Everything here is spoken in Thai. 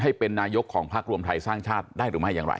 ให้เป็นนายกของภาครวมไทยสร้างชาติได้หรือไม่อย่างไร